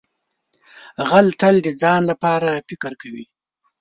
غل تل د ځان لپاره فکر کوي